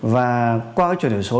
và qua chuyển đổi số